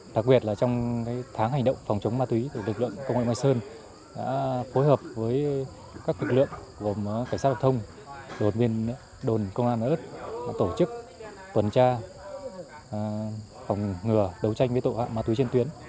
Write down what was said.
đặc biệt là trong tháng hành động phòng chống ma túy lực lượng công an huyện mai sơn đã phối hợp với các lực lượng gồm cảnh sát hợp thông đồn công an tổ chức tuần tra phòng ngừa đấu tranh với tội phạm ma túy trên tuyến